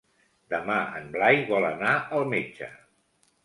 Demà en Blai vol anar al metge.